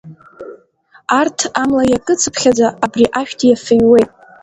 Арҭ амла иакыцԥхьаӡа абри ашәҭ иафыҩуеит.